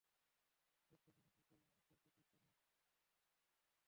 এরপর যখন নৌকা আসে, তখন তাঁরা আরও দূরত্ব অতিক্রম করার সুযোগ পান।